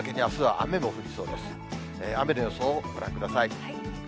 雨の予想をご覧ください。